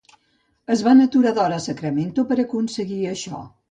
Es van aturar d'hora a Sacramento per aconseguir això.